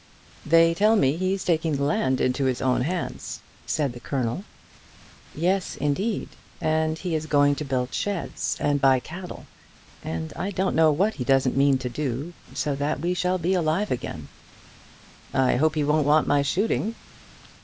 "They tell me he's taking the land into his own hands," said the Colonel. "Yes, indeed; and he is going to build sheds, and buy cattle; and I don't know what he doesn't mean to do; so that we shall be alive again." "I hope he won't want my shooting."